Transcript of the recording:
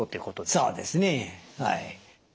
そうですねはい。